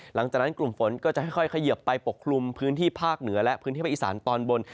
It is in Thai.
หลังจากนั้นกลุ่มฝนก็จะค่อยเขยิบไปปกคลุมพื้นที่ภาคเหนือและพื้นที่ภาคอีสานตอนบน